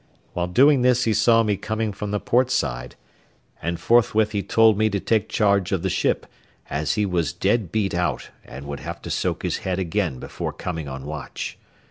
While doing this he saw me coming from the port side, and forthwith he told me to take charge of the ship, as he was dead beat out and would have to soak his head again before coming on watch.